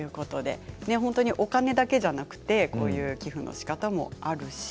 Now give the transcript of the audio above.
お金だけじゃなくて、こういう寄付のしかたもありますね。